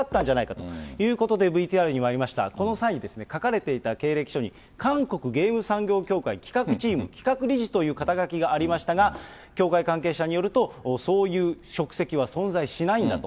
ということでＶＴＲにもありました、この際に書かれていた経歴書に韓国ゲーム産業協会企画チーム、企画理事という肩書がありましたが、協会関係者によると、そういう職責は存在しないんだと。